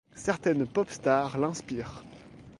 Certaines pop stars l'inspirent.